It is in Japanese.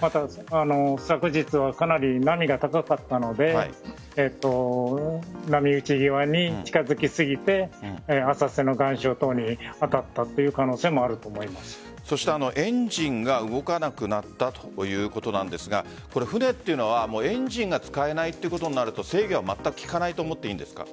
また、昨日はかなり波が高かったので波打ち際に近づきすぎて浅瀬の岩礁等に当たったという可能性もあるとエンジンが動かなくなったということなんですが船というのはエンジンが使えないということになると制御がまったく効かないと思っていいんですか？